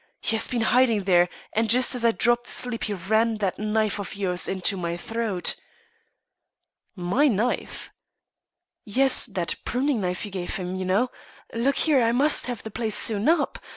He has been hiding there, and just as I dropped asleep he ran that knife of yours into my throat." "My knife?" "Yes that pruning knife you gave him, you know. Look here I must have the place sewn up.